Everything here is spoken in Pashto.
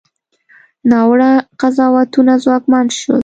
ناوړه قضاوتونه ځواکمن شول.